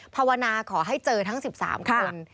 ภาวนาขอให้เจอทั้ง๑๓คน